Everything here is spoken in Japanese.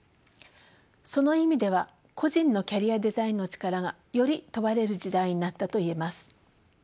その意味では個人のキャリアデザインの力がより問われる時代になったと言えます。